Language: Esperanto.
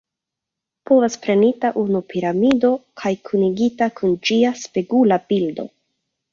Povas prenita unu piramido kaj kunigita kun ĝia spegula bildo.